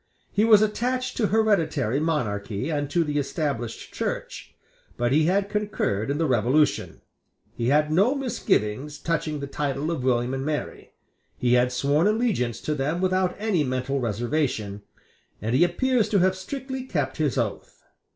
He was attached to hereditary monarchy and to the Established Church; but he had concurred in the Revolution; he had no misgivings touching the title of William and Mary; he had sworn allegiance to them without any mental reservation; and he appears to have strictly kept his oath.